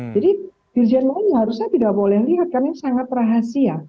jadi dirijen mengunjungi harusnya tidak boleh lihat karena ini sangat rahasia